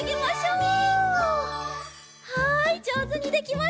はいじょうずにできました。